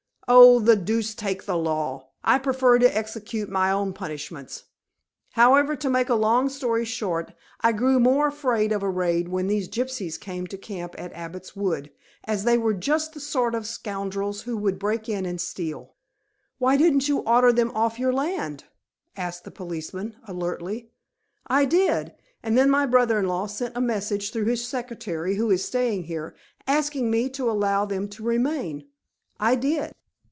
"Oh, the deuce take the law! I prefer to execute my own punishments. However, to make a long story short, I grew more afraid of a raid when these gypsies came to camp at Abbot's Wood, as they are just the sort of scoundrels who would break in and steal." "Why didn't you order them off your land?" asked the policeman, alertly. "I did, and then my brother in law sent a message through his secretary, who is staying here, asking me to allow them to remain. I did."